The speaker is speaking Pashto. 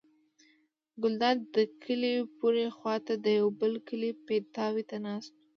ګلداد د کلي پورې خوا ته د یوه بل کلي پیتاوي ته ناست و.